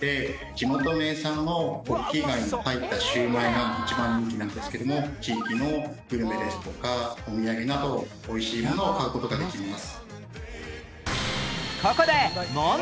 地元名産の北寄貝の入ったしゅうまいが一番人気なんですけども地域のグルメですとかお土産など美味しいものを買う事ができます。